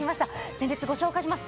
前列ご紹介します。